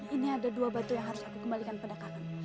ini ada dua batu yang harus aku kembalikan pada kakak